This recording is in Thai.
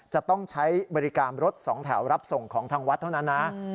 จะต้องใช้บริการรถสองแถวรับส่งของทางวัดเท่านั้นนะ